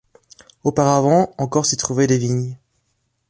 Auparavant encore s'y trouvaient des vignes.